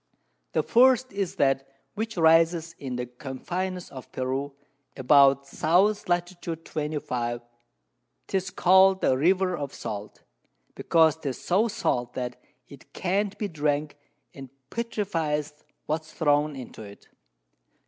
The first is that which rises in the Confines of Peru, about S. Lat. 25. 'tis call'd the River of Salt, because 'tis so salt that it can't be drank, and petrifies what's thrown into it.